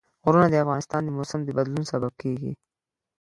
غرونه د افغانستان د موسم د بدلون سبب کېږي.